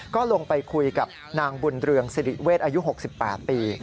ก็ลงไปคุยกับนางบุญเรืองสิริเวชอายุ๖๘ปี